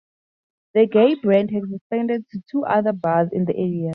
The G-A-Y brand has expanded to two other bars in the area.